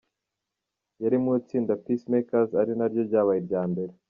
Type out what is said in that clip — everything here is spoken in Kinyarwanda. Yari mu itsinda “Peace Makers” ari naryo ryabaye irya mbere.